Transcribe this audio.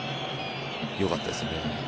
良かったですね。